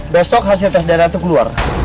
besok hasil tes darah itu keluar